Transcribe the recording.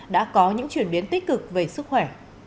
đã có những chuyển biến tích cực về sức khỏe